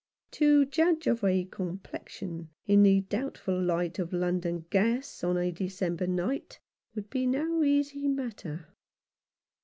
To judge of a complexion in the doubtful light of London gas on a December night would be no easy matter.